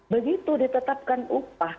begitu ditetapkan upah